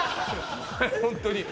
ホントに。